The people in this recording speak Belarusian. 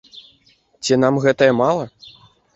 Ці нам гэтае мала?